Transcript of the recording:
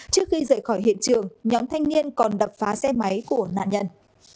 trước khi rời khỏi hiện trường nhóm thanh niên còn đập phá xe máy của nạn nhân